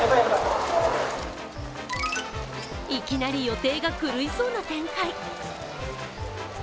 いきなり予定が狂いそうな展開。